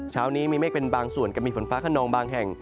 เช้านี้มีเมฆเป็นบางส่วนกับมีฝนฟ้าขนองบางแห่ง